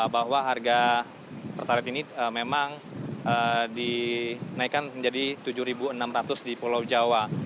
bahwa harga pertalite ini memang dinaikkan menjadi rp tujuh enam ratus di pulau jawa